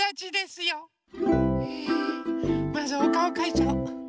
まずおかおかいちゃお。